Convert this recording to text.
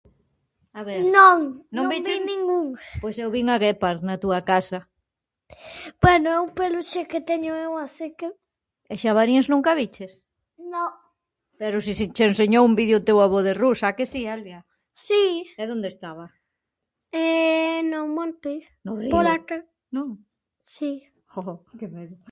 A ver, non, non vin ningún. Pois eu vin [unintelligible] na túa casa. Bueno é un peluxe que teño eu así que. E xabaríns nunca viches? No. Pero si che ensinou un vídeo teu avó de rus, a que si Elbia? Si. E donde estaba? No monte. No río, non?. Si. Que medo.